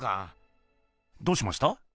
どうしました？